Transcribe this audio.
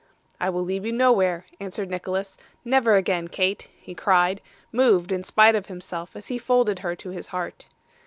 'I will leave you nowhere,' answered Nicholas 'never again, Kate,' he cried, moved in spite of himself as he folded her to his heart.